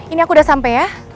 ini aku udah sampai ya